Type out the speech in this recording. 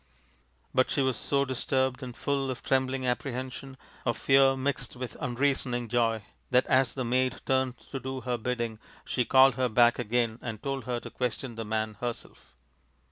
But she was so disturbed and full of trembling apprehension, of fear mixed with unreasoning joy that as the maid turned to do her bidding she called her back again and told her to question the man herself.